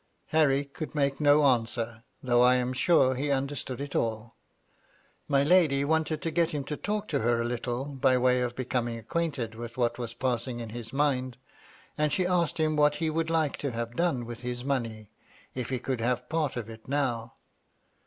Harry could make no answer, though I am sure he understood it all. My lady wanted to get him to talk to her a little, by way of becoming acquainted with what was passing in his mind; and she asked him what he would like to have done with his money, if he could have part of it now